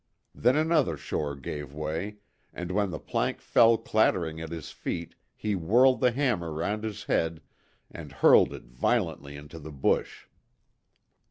Then another shore gave way, and when the plank fell clattering at his feet he whirled the hammer round his head, and hurled it violently into the bush.